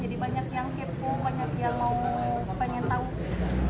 jadi banyak yang kepo banyak yang mau banyak yang tahu